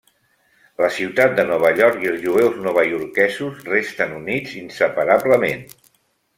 La ciutat de Nova York i els jueus novaiorquesos resten units inseparablement.